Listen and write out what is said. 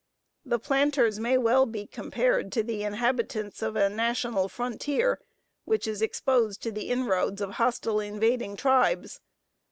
The planters may well be compared to the inhabitants of a national frontier, which is exposed to the inroads of hostile invading tribes.